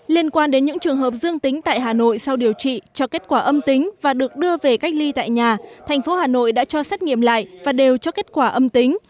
liên quan đến những trường hợp dương tính tại hà nội sau điều trị cho kết quả âm tính và được đưa về cách ly tại nhà thành phố hà nội đã cho xét nghiệm lại và đều cho kết quả âm tính